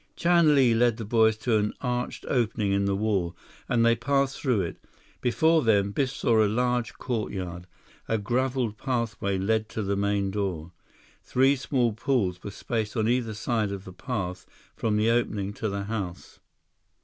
Chan Li led the boys to an arched opening in the wall, and they passed through it. Before them, Biff saw a large courtyard. A graveled pathway led to the main door. Three small pools were spaced on either side of the path from the opening to the house.